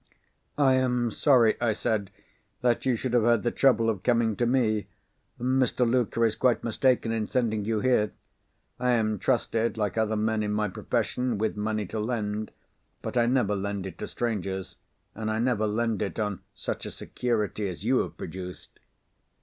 "I am sorry," I said, "that you should have had the trouble of coming to me. Mr. Luker is quite mistaken in sending you here. I am trusted, like other men in my profession, with money to lend. But I never lend it to strangers, and I never lend it on such a security as you have produced."